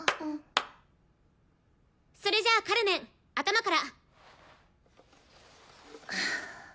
それじゃあカルメン頭から。